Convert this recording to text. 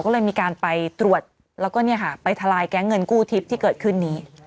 ก็เลยมีการไปตรวจแล้วก็ไปทลายแก๊งเงินกู้ทิพย์ที่เกิดขึ้นนี้